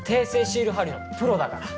シール貼りのプロだから。